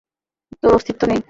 তোর অস্তিত্বই নেই।